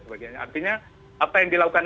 sebagainya artinya apa yang dilakukan